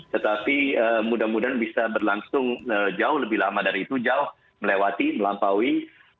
tetapi mudah mudahan bisa berlangsung jauh lebih lama dari itu jauh melewati melampaui